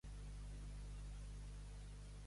De bitxac en amunt, tot ho acaça.